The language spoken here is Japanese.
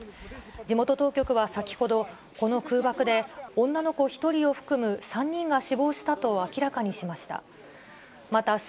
地元当局は先ほど、この空爆で、女の子１人を含む３人が死亡したと明らかにしました。